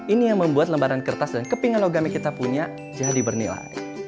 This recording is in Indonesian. ini yang membuat lembaran kertas dan kepingan logam yang kita punya jadi bernilai